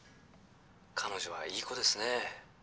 彼女はいい子ですねえ